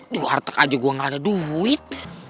di harteg aja gue gak ada duit